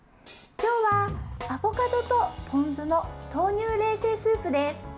今日はアボカドとポン酢の豆乳冷製スープです。